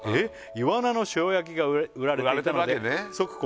「イワナの塩焼きが売られていたので即購入」